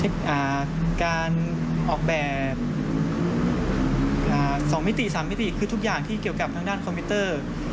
การออกแบบ๒มิติ๓มิติคือทุกอย่างที่เกี่ยวกับทางด้านคอมพิวเตอร์